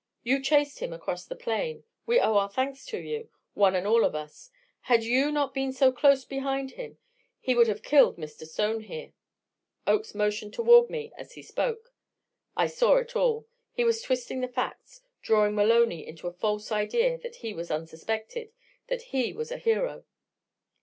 You chased him across the plain. We owe our thanks to you, one and all of us. Had you not been so close behind him, he would have killed Mr. Stone here." Oakes motioned toward me as he spoke. I saw it all. He was twisting the facts, drawing Maloney into a false idea that he was unsuspected that he was a hero.